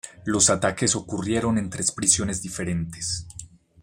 Los ataques ocurrieron en tres prisiones diferentes.